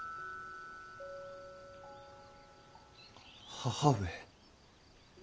母上。